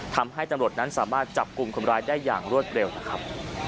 ทำให้ตำรวจนั้นสามารถจับกลุ่มคนร้ายได้อย่างรวดเร็วนะครับ